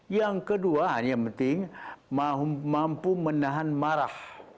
yang kedua yang penting mampu menahan marah